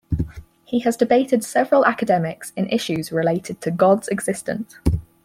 He has debated several academics in issues related to God's existence.